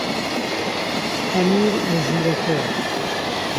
ئەمیر لە ژوورەکەیە.